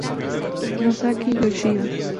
Masaki Yoshida